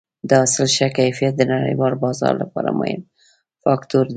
د حاصل ښه کیفیت د نړیوال بازار لپاره مهم فاکتور دی.